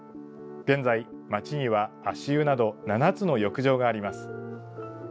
現在、町には足湯など７つの浴場があります。